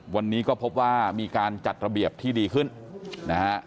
วันนี้ก็พบว่ามีการจัดระเบียบที่ดีขึ้นนะฮะ